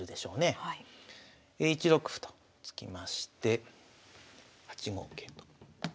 １六歩と突きまして８五桂と。